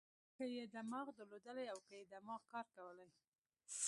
که یې دماغ درلودای او که یې دماغ کار کولای.